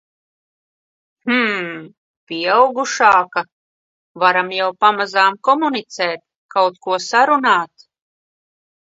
Hmm... pieaugušāka. Varam jau pamazām komunicēt, kaut ko sarunāt.